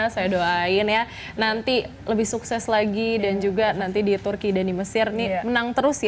saya doain ya nanti lebih sukses lagi dan juga nanti di turki dan di mesir nih menang terus ya